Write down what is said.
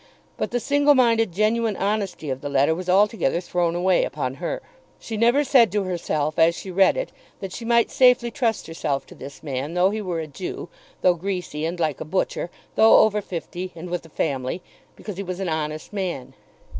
But the single minded genuine honesty of the letter was altogether thrown away upon her. She never said to herself, as she read it, that she might safely trust herself to this man, though he were a Jew, though greasy and like a butcher, though over fifty and with a family, because he was an honest man.